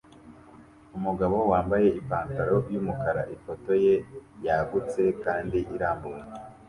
Umugabo wambaye ipantaro yumukara ifoto ye yagutse kandi irambuye